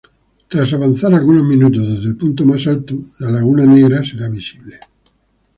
Tras avanzar algunos minutos desde el punto más alto, la Laguna Negra será visible.